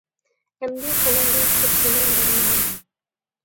ئەمدى قولۇڭدىن تۇتۇپ سېنىڭ بىلەن ماڭىمەن.